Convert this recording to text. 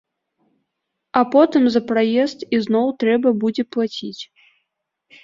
А потым за праезд ізноў трэба будзе плаціць.